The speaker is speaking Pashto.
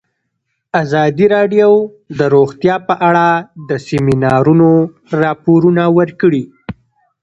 ازادي راډیو د روغتیا په اړه د سیمینارونو راپورونه ورکړي.